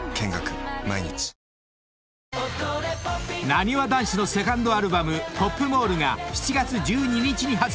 ［なにわ男子のセカンドアルバム『ＰＯＰＭＡＬＬ』が７月１２日に発売］